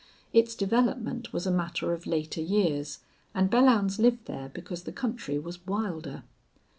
Its development was a matter of later years, and Belllounds lived there because the country was wilder.